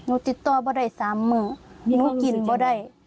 หนูติดต่อไม่ได้สามมือหนูกินไม่ได้